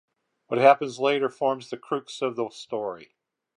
What happens later forms the crux of the story.